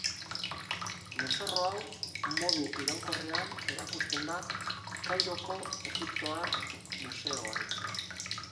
Mozorro hau modu iraunkorrean erakusten da Kairoko Egiptoar Museoan